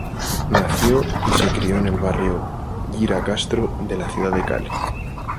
Nació y se crio en el barrio Yira Castro de la ciudad de Cali.